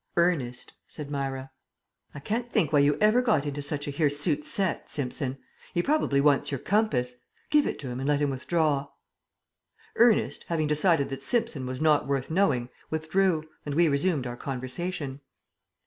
"Ernest," said Myra. "I can't think why you ever got into such a hirsute set, Simpson. He probably wants your compass. Give it to him and let him withdraw." Ernest, having decided that Simpson was not worth knowing, withdrew, and we resumed our conversation.